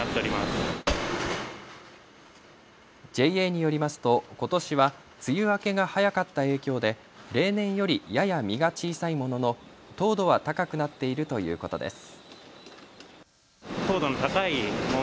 ＪＡによりますと、ことしは梅雨明けが早かった影響で例年よりやや実が小さいものの糖度は高くなっているということです。